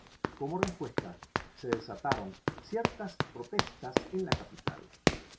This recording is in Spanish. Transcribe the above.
Como respuesta, se desataron ciertas protestas en la capital.